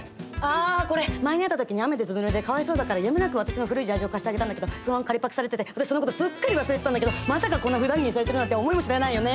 あこれ前に会った時に雨でずぶぬれでかわいそうだからやむなく私の古いジャージを貸してあげたんだけどそのまま借りパクされてて私そのことすっかり忘れてたんだけどまさかこんなふだん着にされてるなんて思いもしないよね。